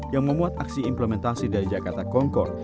yang memuat aksi implementasi dari jakarta concor